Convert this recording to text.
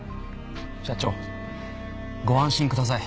社長ご安心ください。